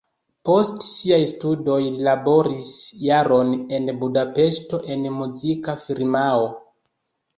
Post siaj studoj li laboris jaron en Budapeŝto en muzika firmao.